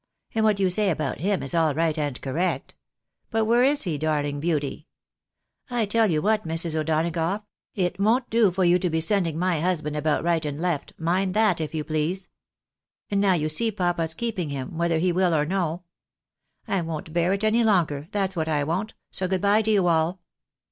And what you say about him is aU right and correct. But where is he, darling beauty ! I tell you what, Mrs. O'Donagough, it won't da for you to be sending my husband about right and left — mind that, if you please. And now you see papa's keeping him, whether hg will or no. I won't bear it any longer, that's what I won't, so good by to you all."